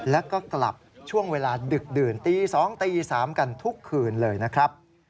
แล้วก็กลับช่วงเวลาดึกดื่นตี๒ตี๓กันทุกคืนเลยนะครับ